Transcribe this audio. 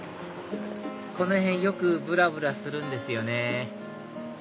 この辺よくぶらぶらするんですよね